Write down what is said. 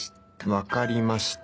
分かりました。